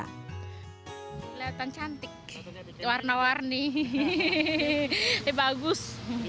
kelihatan cantik warna warni ya bagus